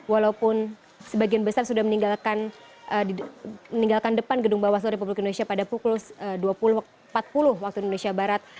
walaupun sebagian besar sudah meninggalkan depan gedung bawaslu republik indonesia pada pukul dua puluh empat puluh waktu indonesia barat